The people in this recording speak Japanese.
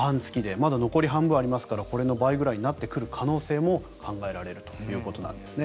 まだ残り半分ありますからこれの倍ぐらいになってくる可能性も考えられるということですね。